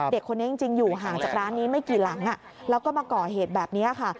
เด็กคนนี้จริงอยู่ห่างจากร้านนี้ไม่กี่หลังแล้วก็มาก่อเหตุแบบนี้ค่ะ